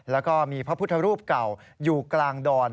แล้วก็มีพระพุทธรูปเก่าอยู่กลางดอน